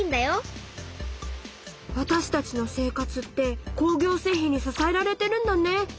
わたしたちの生活って工業製品に支えられてるんだね。